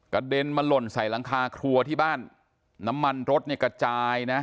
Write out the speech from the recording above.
เด็นมาหล่นใส่หลังคาครัวที่บ้านน้ำมันรถเนี่ยกระจายนะ